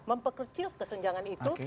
memperkecil kesenjangan itu